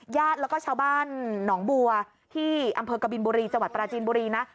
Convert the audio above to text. ญาติแล้วก็ชาวบ้านหนองบัวที่อำเภอกบินบุรีจังหวัดปราจีนบุรีนะ